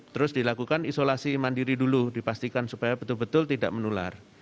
terus dilakukan isolasi mandiri dulu dipastikan supaya betul betul tidak menular